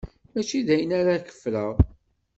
Mačči d ayen ara k-ffreɣ.